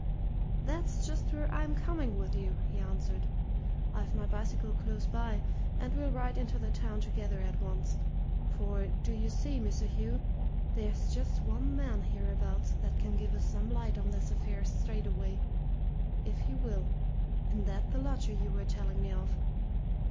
"That's just where I'm coming with you," he answered. "I've my bicycle close by, and we'll ride into the town together at once. For, do you see, Mr. Hugh, there's just one man hereabouts that can give us some light on this affair straightaway if he will and that the lodger you were telling me of.